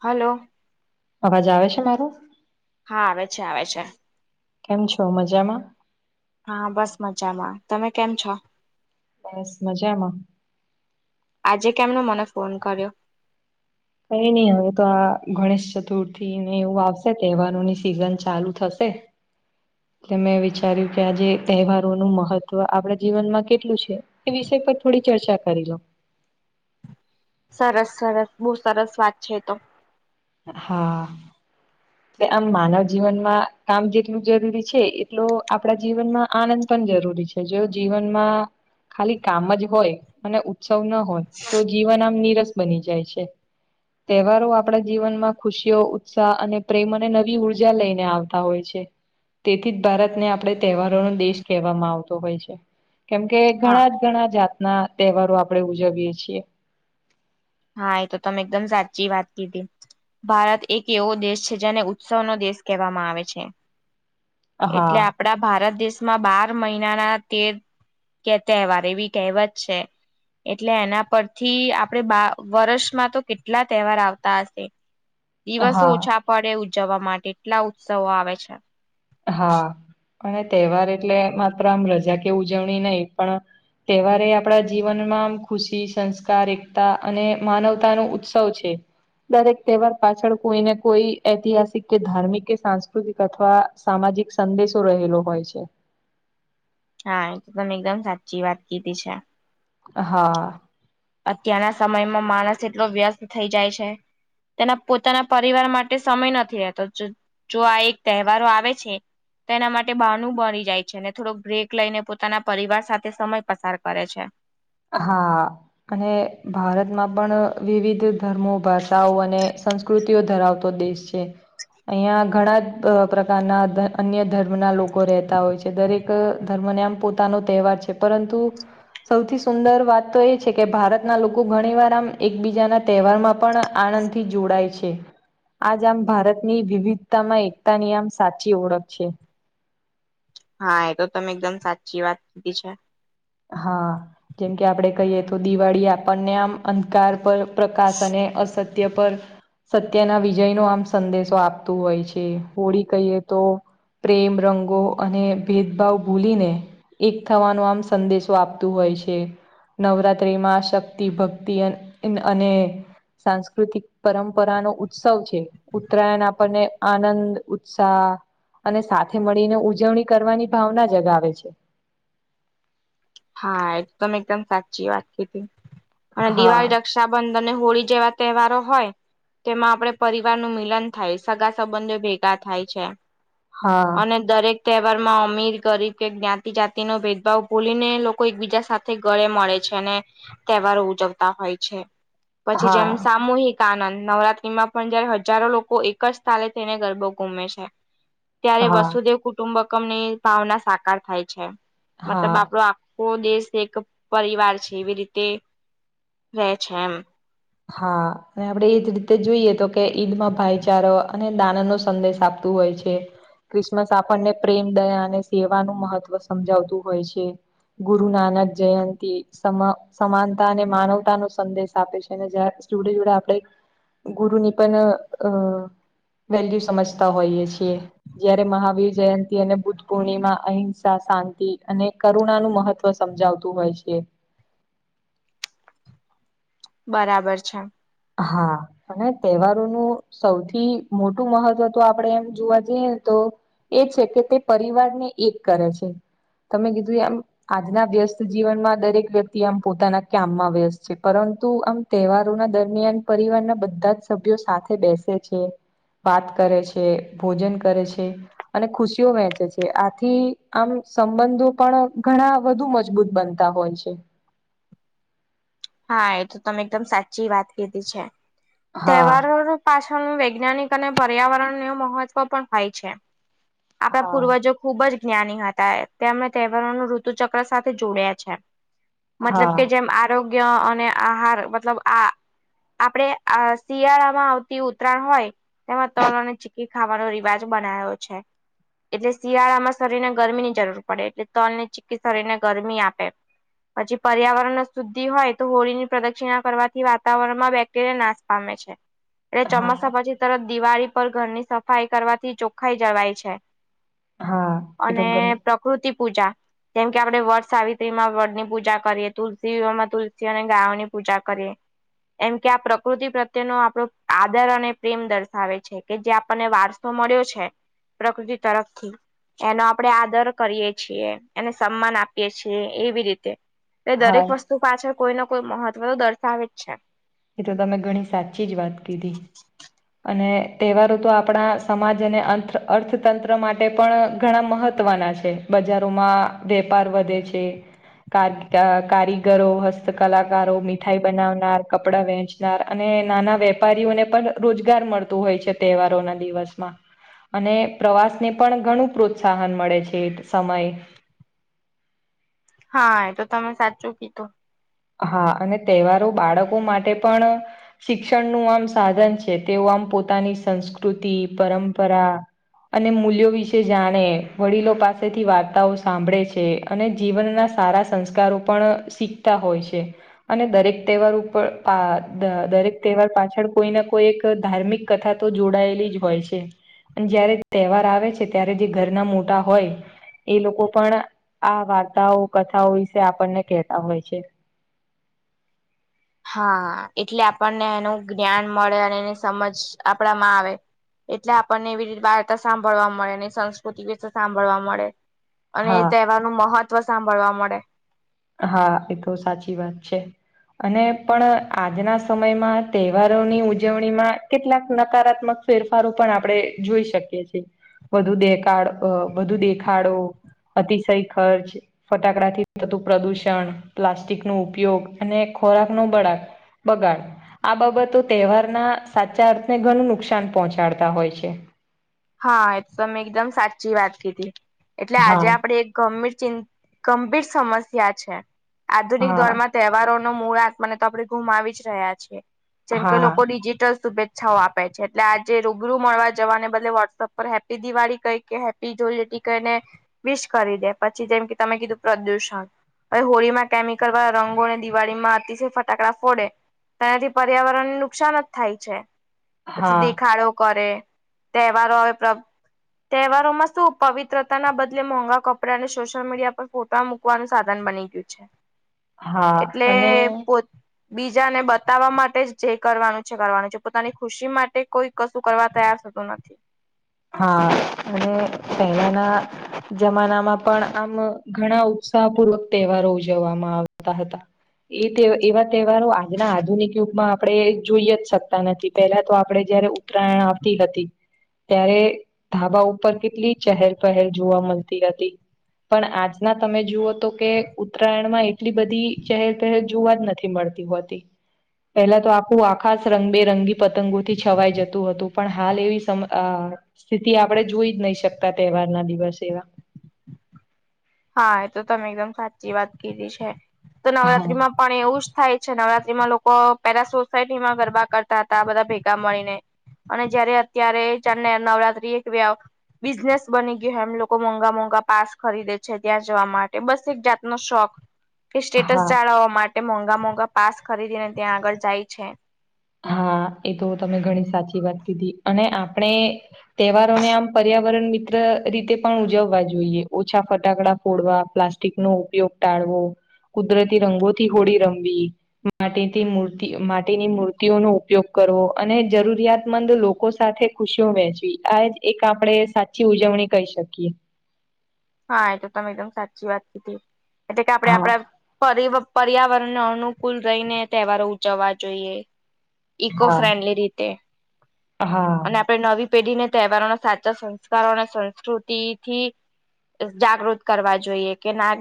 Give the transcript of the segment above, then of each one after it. Hello અવાજ આવે છે. મારો હા આવે છે આવે છે. કેમ છો મજામાં હા બસ મજામાં તમે કેમ છો. બસ મજામાં આજે કેમનો મને ફોન કર્યો કઈ નહી હવે તો આ ગણેશ ચતુર્થીને એવું આવશે તહેવારોની સિઝન ચાલુ થશે [inaudible] એટલે મેં વિચાર્યું કે આજે તહેવારોનું મહત્વ આપણા જીવનમાં કેટલું છે. એ વિષય પર થોડી ચર્ચા કરી લો સરસ સરસ બહુ સરસ વાત છે તો હા આમ માનવ જીવનમાં કામ જેટલું જરૂરી છે એટલો આપડા જીવનમાં આનંદ પણ જરૂરી છે જો જીવનમાં ખાલી કામ જ હોય અને ઉત્સવ ના હોય તો જીવન આમ નીરસ બની જાય છે તહેવારો આપણે જીવન માં ખુશીઓ ઉત્સાહ અને પ્રેમ અને નવી ઉર્જા લઈને આવતા હોય છે તેથી જ ભારતને આપડણે તહેવારોનોો દેશ કહેવામાં આવતો હોય છે. કેમકે હા ઘણા જ ઘણા જાતના તહેવારો આપણે ઉજવીય છીએ. હા એ તો તમે એકદમ સાચી વાત કીધી. ભારત એક એવો દેશ છે જેને ઉત્સવનોો દેશ કહેવામાં આવે છે. એટલે હા આપણા ભારત દેશમાં બાર મહિનાના તેર કે તહેવાર એવી કહેવત છે એટલે એના પરથી આપણેે બા વર્ષમાં તો કેટલા તહેવાર આવતા હશે દિવસો હા ઓછા. પડે ઉજવવા માટે એટલા ઉત્સવો આવે છે. હા અને તહેવાર એટલે માત્ર આમ રજા કે ઉજવણી નહી પણ તહેવારે આપણા જીવનમાં ખુશી સંસ્કાર એકતા અને માનવતા ન ઉત્સવ છે. દરેક તહેવાર પાછળ કોઈને કોઈ ઐતિહાસિક કે ધાર્મિક કે સાંસ્કૃતિક અથવા સામાજિક સંદેશો રહેલો હોય છે. હા એ તો તમે એકદમ સાચી વાત કીધી છે. હા અત્યારના સમયમાં માણસ એટલો વ્યસ્ત થઈ જાય છે. તેના પોતાના પરિવાર માટે સમય નથી રહેતો જો આ એક તહેવારો આવે છે. તે એના માટે બહાનુ બની જાય છે ને થોડોક બ્રેક લઈને પોતાના પરિવાર સાથે સમય પસાર કરે છે. હા અને ભારતમાં પણ વિવિધ ધર્મો ભાષાઓ અને સંસ્ પ્રકૃતિઓ ધરાવતો દેશ છે. અહિયાં ઘણા જ પ્રકારના અન્ય ધર્મના લોકો રહેતા હોય છે દરેક ધર્મને આમ પોતાનો તહેવાર છે પરંતુ સૌથી. સુંદર વાત તો એ છે કે ભારતના લોકો ઘણીવાર આમ એકબીજાના તહેવારમાં પણ આનંદથી જોડાય છે. આજ આમ ભારતની વિવિધતામાં એકતાની આમ સાચી ઓળખ છે. હા એ તો તમે એકદમ સાચી વાત કીધી છે. હા જેમ કે આપડે કહીએ તો દિવાળી આપણને આમ અંધકાર પર પ્રકાશ અને અસત્ય પર સત્યના વિજય નો આમ સંદેશો આપતું હોય છે હોળી કહીએ તો પ્રેમ રંગો અને ભેદભાવ ભૂલીને એક થવાનું આમ. સંદેશો આપતું હોય છે. નવરાત્રિમાં શક્તિ ભક્તિ અને સાંસ્કૃતિક પરંપરા નો ઉત્સવ છે. ઉત્તરાયણ આપણને આનંદ ઉત્સાહ અને સાથે મળીને ઉજવણી કરવાની ભાવના જગાવે છે. હા એકદમ એકદમ સાચી વાત કી હતી અને હા દિવાળી દક્ષ. રક્ષાબંધન હોળી જેવા તહેવારો હોય. તેમાં આપે પરિવાર નું મિલન થાય સગા સંબંધો ભેગા થાય છે. હા અને દરેક તહેવાર માં અમીર ગરીબ કે જ્ઞાતિ જાતિ નો ભેદભાવ ભૂલીને લોકો એકબીજા સાથે ઘળે મળે છે અને તહેવારો ઉજવતા હોય છે. પછી જેમ હા સામૂહિક આનંદ નવરાત્રી માં પણ જયારે હજારો લોકો એક જ સ્થાલે તેઈને ગરબો ગુમે છે. ત્યારે હા વસુદેવ કુટુંબકમ ની ભાવના સાકાર થાય છે મતલબ હા આપડો દેશ એક પરિવાર છે એવી રીતે રહે છે એમ હા અને આપડે એજ રીતે જોઈએ તો કે ઈદમાં ભાઈચારો અને દના નો સંદેશ આપો તું હોય છે ક્રિસમસ આપણને પ્રેમ દયા અને સેવાનુંું મહત્વ સમજાવતું હોય છે. ગુરુ નાનક જયંતિ સમ સમાનતા અને માનવતા નો સંદેશ આપે છે. અને જ જોડે જોડે આપણે ગુરુની પણ અ વેલ્યુ સમજતા હોઈએ છીએ. જયારે મહાવીર જયંતિ અને બુદ્ધ પૂર્ણિમા અહિંસા શાંતિ અને કરુણાનું મહત્વ તો સમજાવતું હોય છે બરાબર છે હા અને તહેવારોનું સૌથી મોટું મહત્વ તો આપણેે એમ જોવા જઈએ તો એ છે કે તે પરિવારને એક કરે છે તમે કીધું આમ આજના વ્યસ્ત જીવનમાં દરેક વ્યક્તિ આમ પોતાના કામમાં વ્યસ્ત છે પરંતુ આમ તહેવારોના દરમિયાન પરિવારના બધા જ સભ્યો સાથે બેસે છે વાત કરે છે ભોજન કરે છે અને ખુશીઓ વહેંચે છે આથી આમ સંબંધો પણ ઘણા વધુ મજબૂત બન હોય છે હા એ તો તમે એકદમ સાચી વાત કીધી છે હા તહેવારો પાછળનું વૈજ્ઞાનિક અને પર્યાવરણ ન મહત્વ પણ હોય છે આપણા હા પૂર્વજો ખુબ જ જ્ઞાની હતા તેમણે તહેવારોનું ઋતુ ચક્ર સાથે જોડયા છે મતલબ હા કે જેમ આરોગ્ય અને આહાર મતલબ આ આપડે આ શિયાળામાં આવતી ઉતરાયણ હોય તેમાં તલ અને કે ખાવાનો રિવાજ બનાયો છે એટલે શિયાળામાં શરીર ને ગરમી ની જરૂર પડે એટલે તલ ને ચીકી શરીર ને ગરમી આપે પછી પર્યાવરણ સુ હોય તો હોળીની પ્રદક્ષિણા કરવાથી વાતાવરણમાં બેક્ટેરિયા નાશ પામે છે એટલે હા ચોમાસા પછી તરત દિવાળી પર ઘરની સફાઈ કરવાથી ચોખાઈ જવાય છે હા એ તો અને ગમે કૃતિ પૂજા જેમ કે આપડણે વડ સાવિત્રી માં વડ ની પૂજા કરીએ તુલસી તુલસી અને ગાની પૂજા કરીએ એમ કે આ પ્રકૃતિ પ્રત્યેનો આપણો આદર અને પ્રેમ દર્શાવે છે કે જે આપણને વારસો મળ્યો છે પ્રકૃતિ તરફથી એનો આપણેે આદર કરીએ છીએ એને સન્માન આપીએ છીએ એવી રીતે એ દરેક વસ્તુ પાછળ કોઈને કોઈ મહત્વ તો દર્શાવે જ છે એ તો તમે ઘણી સાચી જ વાત કીધી અને તહેવાર તો આપણા સમાજ અને અ અર્થતંત્ર માટે પણ ઘણા મહત્. ના છે બજારોમાં વેપાર વધે છે કાર કારીગરો હસ્ત કલાકારો મીઠાઈ બનાવનાર કપડા વેંચનાર અને નાના વેપારીઓને પણ રોજગાર મળતું હોય છે તહેવારોના દિવસમાં અને પ્રવાસ ને પણ ઘણું પ્રોત્સાહન મળે છે સમય હા એ તો તમે સાચું કીધું હા અને તહેવારો બાળકો માટે પણ શિક્ષણનુંું આમ સાધન છે તેઓ આમ પોતાની સંસ્કૃતિ પરંપરા અને મૂલ્યો વિશે જાણે વડીલો પાસેથી વાર્તાઓ સાંભળે છે અને જીવનના સારા સંસ્કારો પણ શીખતા હોય છે અને દરેક તહેવાર ઉપર આ દરેક તહેવાર પાછળ કોઈ ના કોઈ એક ધાર્મિક કથા તો જોડાયેલી જ હોય છે. જયારે તહેવાર આવે છે ત્યારે જે ઘરના મોટા હોય. એ લોકો પણ આ વાર્તાઓ કથાઓ વિશે આપણને કહેતા હોય છે. હા એટલે આપણને એનું જ્ઞાન મળે અને એની સમજ આપડા માં આવે. એટલે આપણને એવી રીતે વાળતા સાંભળવા મળે ને સંસ્કૃતિ વિશે સાંભળવા મળે. અને એ હા તહેવાર નું મહત્વ સાંભળવા મળે. હા એ તો સાચી વાત છે. અને પણ આજના સમયમાં તહેવારોની ઉજવણીમાં કેટલાક નકારાત્મક. ફેરફારો પણ આપણે જોઈ શકીએ છીએ. વધુ દેખાડ વધુ દેખાડો અતિશય ખર્ચ. ફટાકડા થી થતું પ્રદુષણ પ્લાસ્ટિક નો ઉપયોગ અને ખોરાક નો બળાક. બગાડ આ બાબતો તહેવારના સાચા અર્થને ઘણું નુકસાન પહોંચાડતા હોય છે. હા એ તો મેં એકદમ સાચી વાત કીધી એટલે આજે હા આપણે એક [unintelligible] ગંભીર સમસ્યા છે આધુનિક હા દોરમાં તહેવારો નો મૂળાંક મને તો આપણે ગુમાવી જ રહ્યા છીએ જેમ કે હા લોકો ડિજિટલ સુભે છાઓ આપે છે એટલે આજે રૂબરૂ મળવા જવાને બદલે વોટ વ્હોટશોપ હેપી દિવાળી કઈ કે હેપી જોલેટી કઈ ને વિશ કરી દે પછી જેમ કે તમે કીધું પ્રદૂષણ હવે હોળીમાં કેમિકલ વાળા રંગોને દિવાળીમાં અતિશય ફટાકડા ફોડે. તેનાથી પર્યાવરણને નુકસાન જ થાય છે પછી હા દેખાડો કરે. વારો હવે ટ્રપ તહેવારો માં શું પવિત્રતા ના બદલે મોંઘા કપડાં અને સોશિયલ મીડિયા પર ફોટા મુક મૂકવાનું સાધન બની ગયું છે હા એટલે અને પોત બીજાને બતાવવા માટે જ જે કરવાનું છે કરવાનું છે પોતાની ખુશી માટે કોઈ કશું કરવા તૈયાર થતું નથી. હા અને પહેલાના જમાના માં પણ આમ ઘણા ઉત્સાહ પૂર્વક તહેવારો ઉજવવામાં આવતા હતા. ઈ તહે એવા તહેવારો આજના આધુનિક યુગમાં આપણે જોઈ જ શકતા નથી પેલા તો આપડે જયારે ઉત્તરાયણ આવતી હતી. ત્યારે ધાબા ઉપર કેટલી ચહેર પહેર જોવા મળતી હતી. પણ આજના તમે જુઓ તો કે ઉત્તરાયણમાં એટલી બધી ચહેર પહેર જોવા જ નથી મળ તી હોતી. પહેલા તો આખું આકાશ રંગબેરંગી પતંગો થી છવાઈ જતું હતું પણ હાલ એવી સમ અ સ્થિતિ આપણેે જોઈ જ નહી શકતા તહેવાર ના દિવસે એવા. હા એ તો તમે એકદમ સાચી વાત કીધી છે તો હા નવરાત્રીમાં પણ એવું જ થાય છે નવરાત્રીમાં લોકો પેરા સોસાયટી માં ગરબા કરતા હતા આ બધા ભેગા મળીને. અને જયારે અત્યારે જનને નવરાત્રી એક વ્યવ બિઝનેસ બની ગયું એમ લોકો મોંઘા મોંઘા પાસ ખરીદે છે. છે ત્યાં જવા માટે બસ એક જાતનો શોખ એ સ્ટેટસ હા જાળવવા માટ તે મોંઘા મોંઘા પાસ ખરીદી ને ત્યાં આગળ જાય છે. હા એ તો તમે ઘણી સાચી વાત કીધી અને આપણે તહેવારોને આમ પર્યાવરણ મિત્ર રીતે પણ ઉજવવા જોઈએ ઓછા ફટાકડા ફોડવા પ્લસ ટિક નો ઉપયોગ ટાળવો કુદરતી રંગોથી હોળી રમવી માટીથી મૂર્તિ માટીની મૂર્તિ ટિયો નો ઉપયોગ કરવો અને જરૂરિયાતમંદ લોકો સાથે ખુશીઓ વહેચવી આ એક આપણે સા થી ઉજવણી કહી શકીએ. હા એ તો તમે એકદમ સાચી વાત કીધી એટલે કે આપડે હા આપડા પર્યા પર્યાવરણને અનુકૂળ રહીને તહેવારો ઉજવવા જોઈએ. ઇકો હા ફ્રેન્ડલી રીતે. હા. અને આપણે નવી પેઢીને તહેવારોના સાચા સંસ્કારો અને સંસ્કૃતિથી તો જાગૃત કરવા જોઈએ કે ના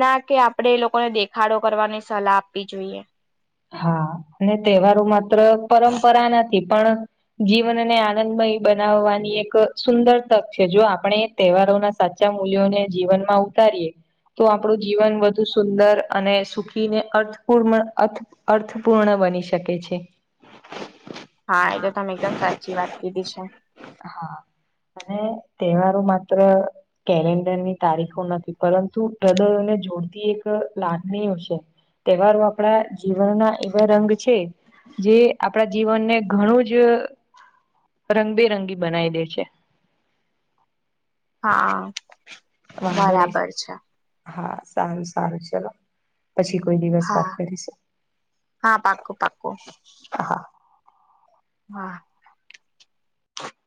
ના કે આપડે એ લોકોને દેખાડો કરવાની સલાહ આપવી જોઈએ. હા અને તહેવારો માત્ર પરંપરા નથી પણ જીવનને આનંદમય બનાવવાની એક સુંદર તક છે. જો આપણે તહેવારો ના સાચા મૂલ્યોને જીવનમાં ઉતારીએ તો આપણું જીવન વધુ સુંદર અને સુખીને અર્થપૂર્ણ અર્થ અર્થપૂર્ણ બની શકે છે. હા એ તો તમે એકદમ સાચી વાત કીધી છે. હા અને તહેવારો માત્ર કેલેન્ડરની તારીખો નથી પરંતુ કદરોને જોડતી એક લાગણીઓ છે. તહેવારો આપડા જીવનના એવા રંગ છે જે આપણા જીવનને ઘણું જ રંગબેરંગી બનાઈ દે છે. હા વાંધો નહી બરાબર છે. હા સારું સારું ચલો. પછી કોઈ દિવસ વાત હા કરીશું. હા પાકું પાકું હા હા